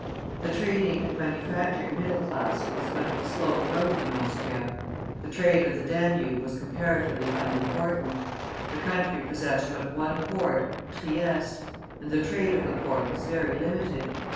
The trading and manufacturing middle class was but of slow growth in Austria. The trade of the Danube was comparatively unimportant; the country possessed but one port, Trieste, and the trade of the port was very limited.